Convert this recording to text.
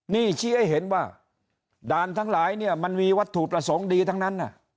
นี่ชี้ให้เห็นว่าด่านทั้งหลายเนี่ยมันมีวัตถุประสงค์ดีทั้งนั้น